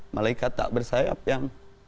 malaikat tak bersayap yang